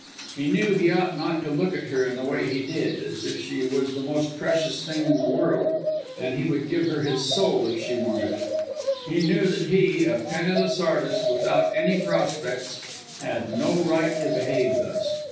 He knew he ought not to look at her in the way he did as if she was the most precious thing in the world, and he would give her his soul if she wanted it he knew that he a penniless artist without any prospects had no right to behave thus.